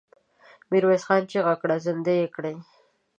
ميرويس خان چيغه کړه! زندۍ يې کړئ!